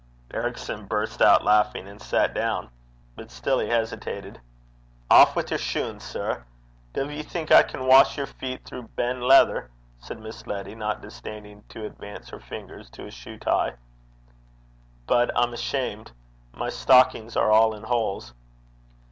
Ericson burst out laughing, and sat down. But still he hesitated. 'Aff wi' yer shune, sir. Duv ye think I can wash yer feet throu ben' leather?' said Miss Letty, not disdaining to advance her fingers to a shoe tie. 'But I'm ashamed. My stockings are all in holes.'